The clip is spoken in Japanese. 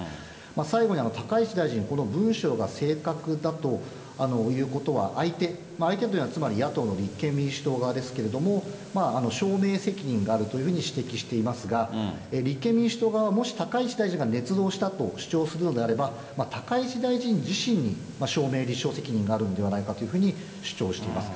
最後に高市大臣、この文書が正確だということは相手、相手というのはつまり野党の立憲民主党側ですけれども、証明責任があるというふうに指摘していますが、立憲民主党側は、もし高市大臣がねつ造したと主張するのであれば、高市大臣自身に証明、立証責任があるんではないかというふうに主張しています。